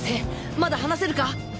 まだ話せるか？